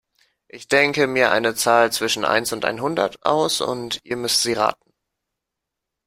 Ich denke mir eine Zahl zwischen eins und einhundert aus und ihr müsst sie raten.